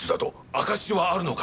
証しはあるのか？